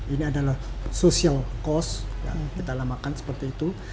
ini adalah social cost yang kita namakan seperti itu